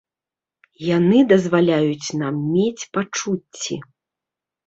Яны дазваляюць нам мець пачуцці.